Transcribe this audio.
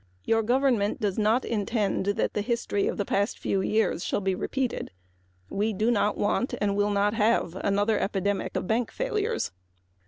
Your government does not intend that the history of the past few years shall be repeated. We do not want and will not have another epidemic of bank failures.